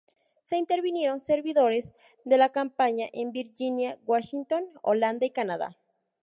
Se intervinieron servidores de la compañía en Virginia, Washington, Holanda y Canadá.